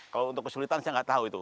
kalau untuk kesulitan saya nggak tahu itu